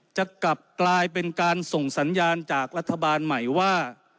จะกลับกลายเป็นการส่งสัญญาณจากรัฐบาลใหม่ว่า